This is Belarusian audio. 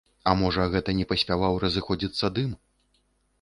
А можа, гэта не паспяваў разыходзіцца дым?